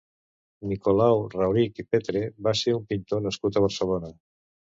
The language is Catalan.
Nicolau Raurich i Petre va ser un pintor nascut a Barcelona.